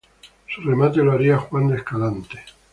Su remate lo haría Juan de Escalante.